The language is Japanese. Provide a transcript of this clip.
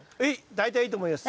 大体いいと思います。